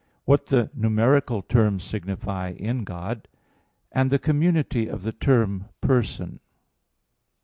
(3) What the numeral terms signify in God? (4) The community of the term "person."